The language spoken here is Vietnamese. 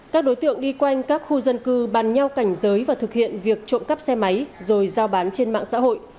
các đối tượng đi quanh các khu dân cư bàn nhau cảnh giới và thực hiện việc trộm cắp xe máy rồi giao bán trên mạng xã hội